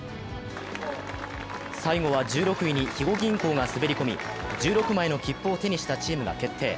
最後は１６位に肥後銀行が滑り込み、１６枚の切符を手にしたチームが決定。